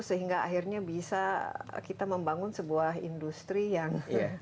sehingga akhirnya bisa kita membangun sebuah industri yang